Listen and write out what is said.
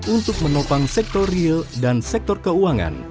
untuk menopang sektor real dan sektor keuangan